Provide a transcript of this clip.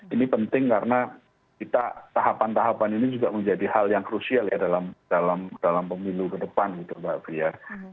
ini penting karena kita tahapan tahapan ini juga menjadi hal yang krusial ya dalam pemilu ke depan gitu mbak pria